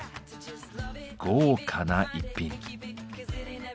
豪華な逸品。